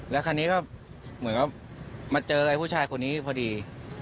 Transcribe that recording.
แล้วคราวนี้ก็เหมือนกับมาเจอไอ้ผู้ชายคนนี้พอดี